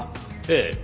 ええ。